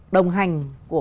đồng hành của